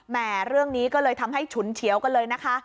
เรื่องนี้ก็เลยทำให้ฉุนเฉียวกันเลยนะคะ